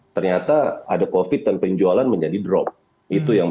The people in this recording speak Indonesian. ternyata ada covid dan penjualan uang